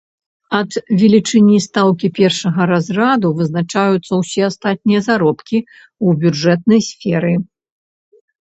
Ад велічыні стаўкі першага разраду вызначаюцца ўсе астатнія заробкі ў бюджэтнай сферы.